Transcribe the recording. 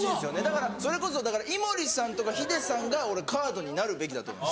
だからそれこそ井森さんとかヒデさんがカードになるべきだと思う。